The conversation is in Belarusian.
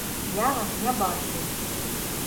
Я вас не бачыў!